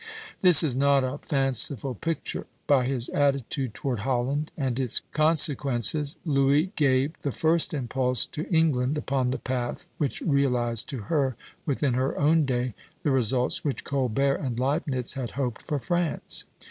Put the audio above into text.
This is not a fanciful picture; by his attitude toward Holland, and its consequences, Louis gave the first impulse to England upon the path which realized to her, within his own day, the results which Colbert and Leibnitz had hoped for France.